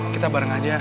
kita bareng aja